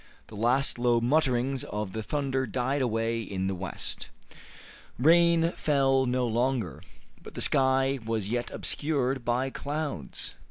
The last low mutterings of the thunder died away in the west. Rain fell no longer, but the sky was yet obscured by clouds.